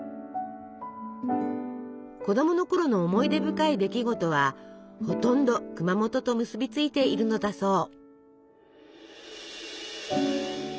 子供のころの思い出深い出来事はほとんど熊本と結びついているのだそう。